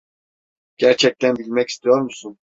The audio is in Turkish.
Gerçekten bilmek istiyor musun?